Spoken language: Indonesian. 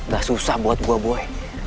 gak susah buat gue boy